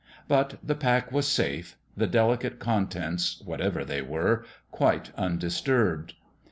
But the pack was safe the delicate con tents, whatever they were, quite undisturbed.